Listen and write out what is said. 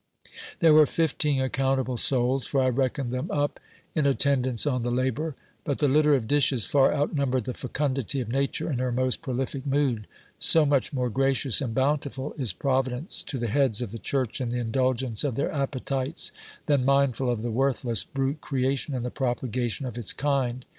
There were fifteen accountable souls, for I reckoned them up, in attendance on the labour ; but the litter of dishes far out numbered the fecundity of nature in her most prolific mood : so much more gracious and bountiful is providence to the heads of the church in the indulgence of their appetites, than mindful of the worthless brute creation in the propagation of its kind.